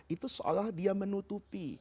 itu seolah dia menutupi